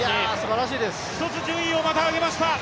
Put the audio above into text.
１つ順位をまた上げました。